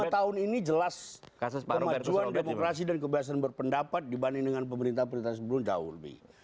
dua tahun ini jelas kemajuan demokrasi dan kebebasan berpendapat dibanding dengan pemerintah pemerintah sebelumnya jauh lebih